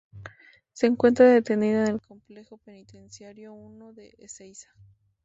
Se encuentra detenido en el Complejo Penitenciario I de Ezeiza.